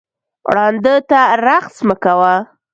ړانده ته رخس مه کوه